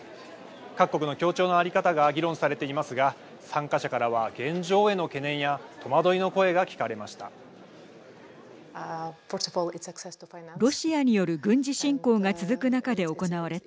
各国の協調の在り方が議論されていますが参加者からは現状への懸念や戸惑いの声が聞かれました。